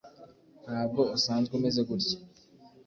Ntabwo usanzwe umeze gutya.